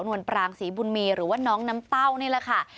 วลปรางศรีบุญมีหรือว่าน้องน้ำเต้านี่แหละค่ะ